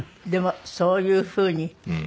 でもそういうふうに。